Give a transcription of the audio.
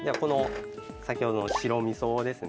先ほどの白味噌ですね。